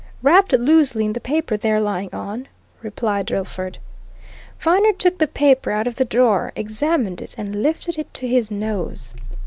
"Wrapped loosely in the paper they're lying on," replied Drillford. Viner took the paper out of the drawer, examined it and lifted it to his nose.